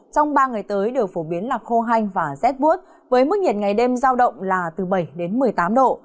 trong ba ngày tới đều phổ biến là khô hanh và rét buốt với mức nhiệt ngày đêm giao động là từ bảy đến một mươi tám độ